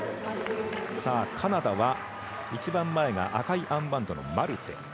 カナダは一番前が赤いアームバンドのマルテ。